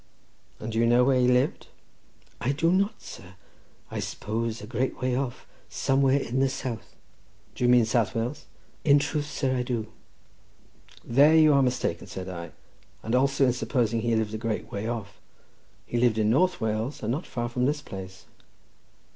"And do you know where he lived?" "I do not, sir; I suppose a great way off, somewhere in the south." "Do you mean South Wales?" "In truth, sir, I do." "There you are mistaken," said I; "and also in supposing he lived a great way off. He lived in North Wales, and not far from this place."